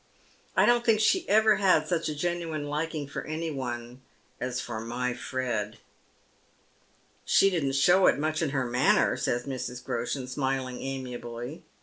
I don't think she ever had such a genuine liking for any one as for my Fred." " She didn't show it much in her manner," says Mrs. Groshen, smiling amiably.